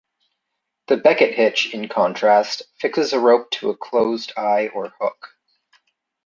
The becket hitch, in contrast, fixes a rope to a closed eye or hook.